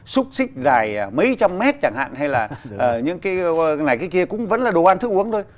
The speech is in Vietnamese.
xúc xích dài mấy trăm mét chẳng hạn hay là những cái ngày cái kia cũng vẫn là đồ ăn thức uống thôi